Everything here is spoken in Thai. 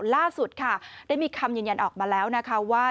ล่าสุดค่ะได้มีคำยืนยันออกมาแล้วนะคะว่า